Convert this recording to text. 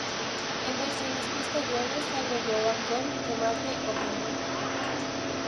En versiones posteriores se agregó bacon, tomate o jamón.